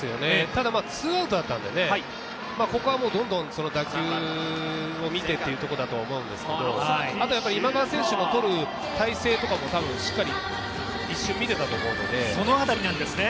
ただ、ツーアウトだったんで、ここはどんどん打球を見てというところだと思うんですけど、あと今川選手もとる体勢とかも一瞬見てたと思うので。